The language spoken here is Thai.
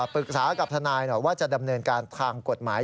ปรึกษากับทนายหน่อยว่าจะดำเนินการทางกฎหมาย